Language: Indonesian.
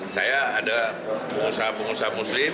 saya ada pengusaha pengusaha muslim